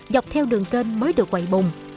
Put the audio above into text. dọc theo đường kênh mới được quậy bụng